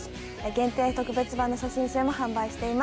限定特別版の写真集も販売しています。